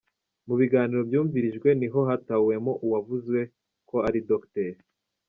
Mu biganiro byumvirijwe, niho hatahuwemo uwavuzwe ko ari Dr.